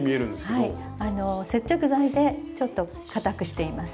あの接着剤でちょっと硬くしています。